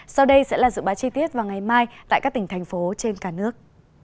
sau đây sẽ là dự báo chi tiết vào ngày mai tại các tỉnh thành phố trên cả nước